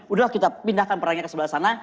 udah kita pindahkan perangnya ke sebelah sana